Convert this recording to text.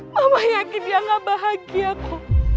mama yakin dia nggak bahagia ko